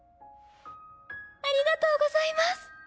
ありがとうございます。